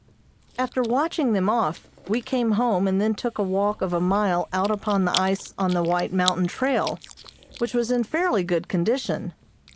After watching them off, we came home and then took a walk of a mile out upon the ice on the White Mountain trail, which was in fairly good condition.